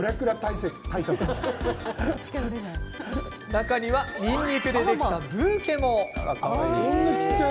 中には、にんにくでできたブーケも。